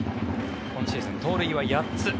今シーズン、盗塁は８つ。